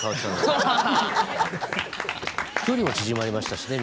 距離も縮まりましたしね。